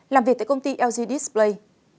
làm việc tại công ty lg display